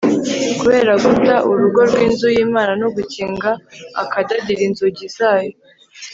kubera guta urugo rw'inzu y'imana no gukinga akadadira inzugi zayo